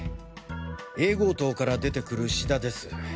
Ａ号棟から出てくる志田です。